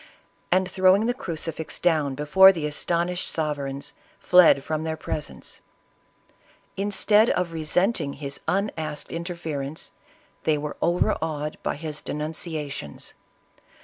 and, throwing the crucifix down before the astonished sovereigns, fled from their presence. In stead of resenting his unasked interference, they were overawed by his denunciations.